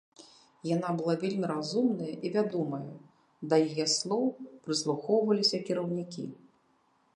Яна была вельмі разумная і вядомая, да яе слоў прыслухоўваліся кіраўнікі.